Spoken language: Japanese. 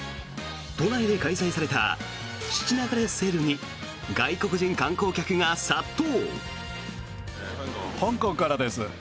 都内で開催された質流れセールに外国人観光客が殺到。